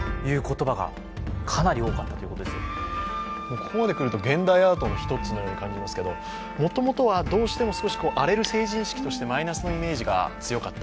ここまでくると現代アートの一つのように見えますけどもともとはどうしても少し荒れる成人式としてマイナスのイメージが強かった。